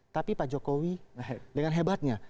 tapi pak jokowi dengan hebatnya